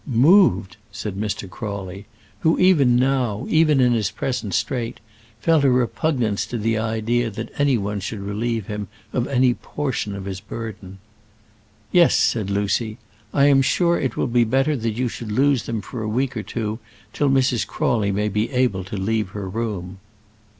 "Moved!" said Mr. Crawley, who even now even in his present strait felt a repugnance to the idea that any one should relieve him of any portion of his burden. "Yes," said Lucy; "I am sure it will be better that you should lose them for a week or two, till Mrs. Crawley may be able to leave her room."